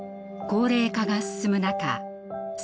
高齢化が進む中